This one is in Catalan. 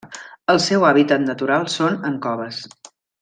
El seu hàbitat natural són en coves.